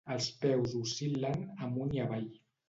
Els peus oscil·len amunt i avall.